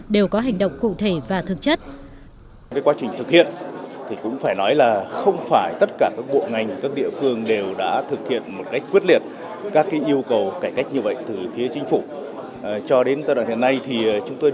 đều có hành động cụ thể và thực chất